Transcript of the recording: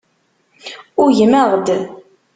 Ugmeɣ-d.